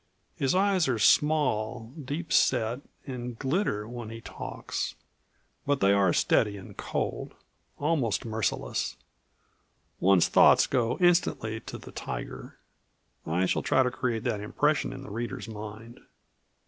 His eyes are small, deep set, and glitter when he talks. But they are steady and cold almost merciless. One's thoughts go instantly to the tiger. I shall try to create that impression in the reader's mind."